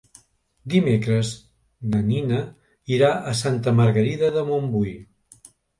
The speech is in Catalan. Dimecres na Nina irà a Santa Margarida de Montbui.